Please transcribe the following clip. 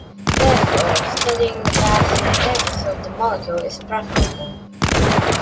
Therefore, studying the biosynthesis of the molecule is preferable.